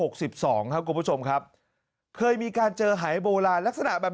ครับคุณผู้ชมครับเคยมีการเจอหายโบราณลักษณะแบบ